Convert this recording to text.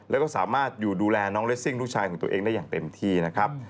แล้วก็สามารถอยู่ดูแลน้องเลสซิ่งลูกชายของตัวเองได้อย่างเต็มที่นะครับ